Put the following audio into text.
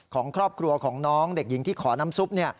ของครอบครัวของน้องเด็กหญิงที่ขอน้ำซุป